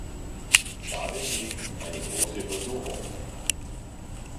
Darin liegt eine große Versuchung.